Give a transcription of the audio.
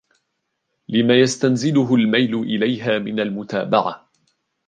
لِمَا يَسْتَنْزِلُهُ الْمَيْلُ إلَيْهَا مِنْ الْمُتَابَعَةِ